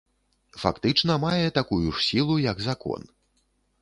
Фактычна мае такую ж сілу, як закон.